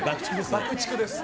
爆竹ですね。